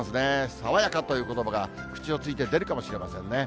爽やかということばが、口をついて出るかもしれませんね。